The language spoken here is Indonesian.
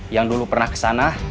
yang dulu pernah kesana